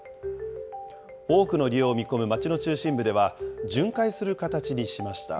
多くの利用を見込む町の中心部では巡回する形にしました。